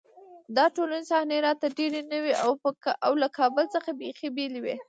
دا ټولې صحنې راته ډېرې نوې او له کابل څخه بېخي بېلې وې